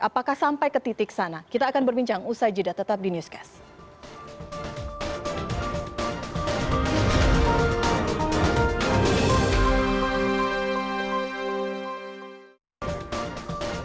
apakah sampai ke titik sana kita akan berbincang usai jeda tetap di newscast